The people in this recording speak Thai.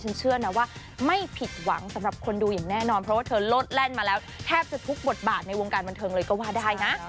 เชื่อนะว่าไม่ผิดหวังสำหรับคนดูอย่างแน่นอนเพราะว่าเธอโลดแล่นมาแล้วแทบจะทุกบทบาทในวงการบันเทิงเลยก็ว่าได้นะ